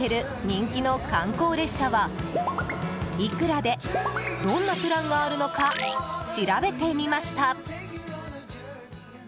人気の観光列車はいくらでどんなプランがあるのか調べてみました。